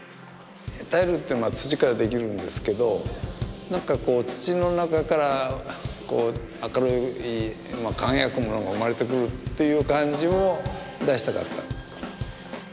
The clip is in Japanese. タイルって土からできるんですけど何か土の中から明るい輝くものが生まれてくるっていう感じも出したかった。